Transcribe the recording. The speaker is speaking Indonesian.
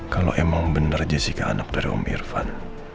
kalau emang benar jessica anak dari om irfan